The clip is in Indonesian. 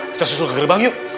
kita susul ke gerbang yuk